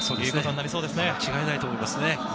間違いないと思います。